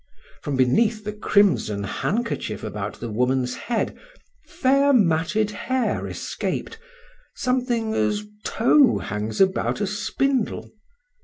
From beneath the crimson handkerchief about the woman's head, fair matted hair escaped, something as tow hangs about a spindle.